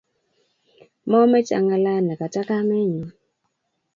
Momec h ang'alan ne kata kamenyu